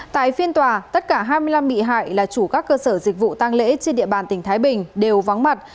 tại phiên tòa tất cả hai mươi năm bị hại là chủ các cơ sở dịch vụ tăng lễ trên địa bàn tỉnh thái bình đều vắng mặt